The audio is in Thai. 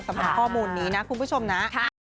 สำหรับข้อมูลนี้นะคุณผู้ชมนะ